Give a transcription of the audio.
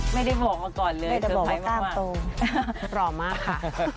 ไม่ได้บอกมาก่อนเลยไม่ได้บอกว่าต้าโตหล่อมากค่ะ